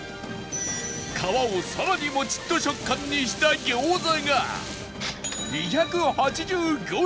皮をさらにモチッと食感にした餃子が２８５円！